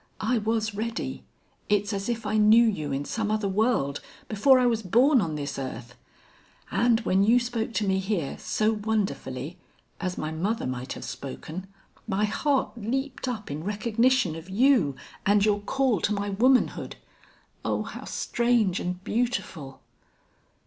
I was ready. It's as if I knew you in some other world, before I was born on this earth; and when you spoke to me here, so wonderfully as my mother might have spoken my heart leaped up in recognition of you and your call to my womanhood!... Oh, how strange and beautiful!"